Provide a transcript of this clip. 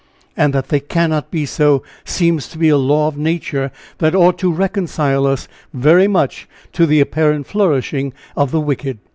and that they cannot be so, seems to be a law of nature that ought to reconcile us very much to the apparent flourishing of the wicked."